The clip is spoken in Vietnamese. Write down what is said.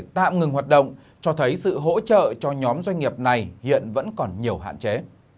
tạm ngừng hoạt động cho thấy sự hỗ trợ cho nhóm doanh nghiệp này hiện vẫn còn nhiều hạn chế